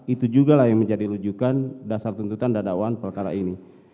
itu juga yang menjadi rujukan dasar tuntutan dan dakwaan perkara ini